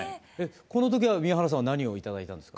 この時は宮原さんは何を頂いたんですか？